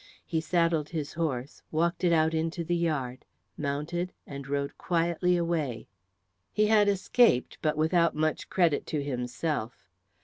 He saddled his horse, walked it out into the yard, mounted, and rode quietly away. He had escaped, but without much credit to himself.